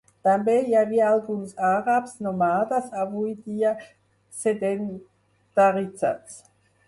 També hi havia alguns àrabs nòmades avui dia sedentaritzats.